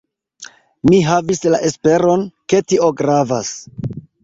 Mi havis la esperon, ke tio gravas.